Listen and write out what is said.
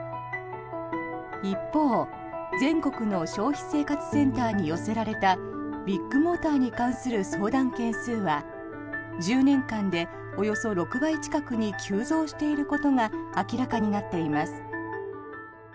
一方、全国の消費生活センターに寄せられたビッグモーターに関する相談件数は１０年間でおよそ６倍近くに急増していることが明らかになっています。